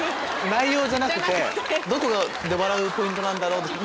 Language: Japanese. ⁉内容じゃなくてどこで笑うポイントなんだろう？